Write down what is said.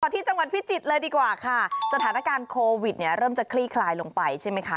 ที่จังหวัดพิจิตรเลยดีกว่าค่ะสถานการณ์โควิดเนี่ยเริ่มจะคลี่คลายลงไปใช่ไหมคะ